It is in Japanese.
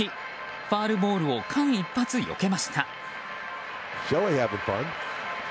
ファウルボールを間一髪よけました。